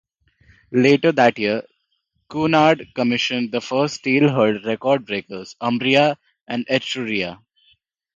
Later that year, Cunard commissioned the first steel-hulled record-breakers, "Umbria" and "Etruria".